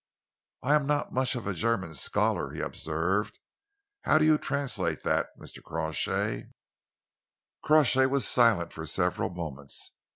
"I am not much of a German scholar," he observed. "How do you translate that, Mr. Crawshay?" Crawshay was silent for several moments.